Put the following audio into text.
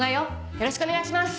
よろしくお願いします